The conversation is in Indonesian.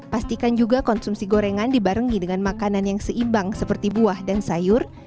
pastikan juga konsumsi gorengan dibarengi dengan makanan yang seimbang seperti buah dan sayur